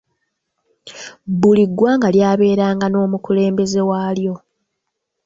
Buli ggwanga ly’abeeranga n’omukulembeze waalyo.